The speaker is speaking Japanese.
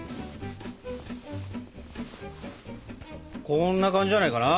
こんな感じじゃないかな。